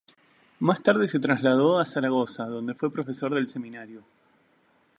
Más tarde se trasladó a Zaragoza, donde fue profesor del Seminario.